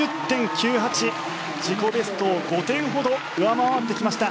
自己ベストを５点ほど上回ってきました。